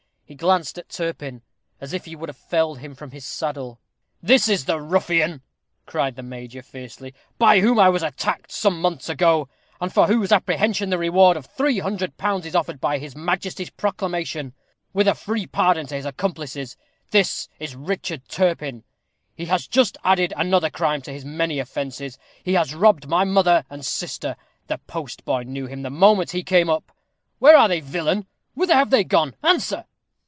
He glanced at Turpin, as if he would have felled him from his saddle. "This is the ruffian," cried the major, fiercely, "by whom I was attacked some months ago, and for whose apprehension the reward of three hundred pounds is offered by his majesty's proclamation, with a free pardon to his accomplices. This is Richard Turpin. He has just added another crime to his many offences. He has robbed my mother and sister. The postboy knew him the moment he came up. Where are they, villain? Whither are they gone? answer!"